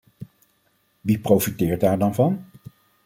Wie profiteert daar dan van?